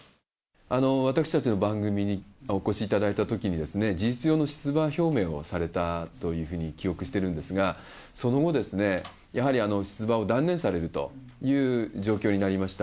私たちの番組にお越しいただいたときに、事実上の出馬表明をされたというふうに記憶してるんですが、その後、やはり出馬を断念されるという状況になりました。